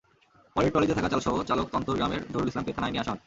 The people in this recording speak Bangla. পরে ট্রলিতে থাকা চালসহ চালক তন্তর গ্রামের জহুরুল ইসলামকে থানায় নিয়ে আসা হয়।